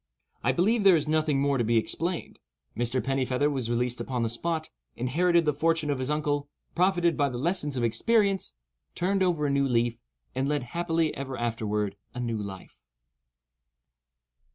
I believe there is nothing more to be explained. Mr. Pennifeather was released upon the spot, inherited the fortune of his uncle, profited by the lessons of experience, turned over a new leaf, and led happily ever afterward a new life.